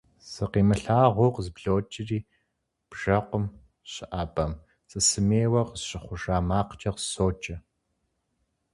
Сыкъимылъагъуу къызблокӀри, бжэкъум щыӀэбэм, сысымейуэ къысщыхъужа макъкӀэ соджэ.